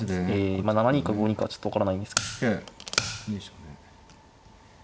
まあ７二か５二かはちょっと分からないんですけど。